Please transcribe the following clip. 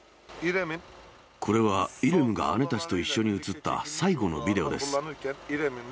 これはイレムが姉たちと一緒に映った最後のビデオです。